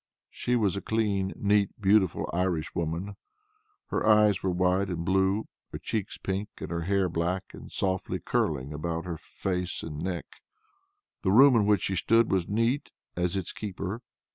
She was a clean, neat, beautiful Irish woman. Her eyes were wide and blue, her cheeks pink, and her hair black and softly curling about her face and neck. The room in which she stood was neat as its keeper.